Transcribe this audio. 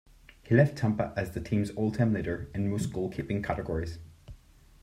He left Tampa as the team's all-time leader in most goalkeeping categories.